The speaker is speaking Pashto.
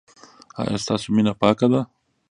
ایا ستاسو مینه پاکه ده؟